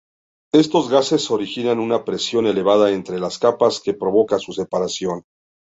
Estos gases originan una presión elevada entre las capas que provoca su separación.